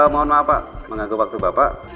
mohon maaf pak mengganggu waktu bapak